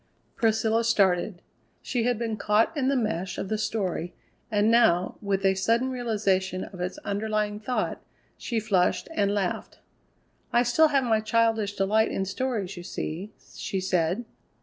Priscilla started. She had been caught in the mesh of the story, and now with a sudden realization of its underlying thought she flushed and laughed. "I still have my childish delight in stories, you see," she said.